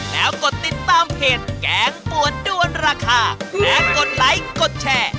แล้วกดติดตามเพจแกงปวดด้วนราคาและกดไลค์กดแชร์